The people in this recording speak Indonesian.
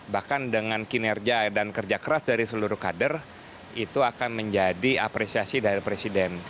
bahkan dengan kinerja dan kerja keras dari seluruh kader itu akan menjadi apresiasi dari presiden